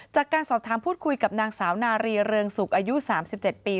จากการสอบถามพูดคุยกับนางสาวนารีเรืองสุกอายุ๓๗ปี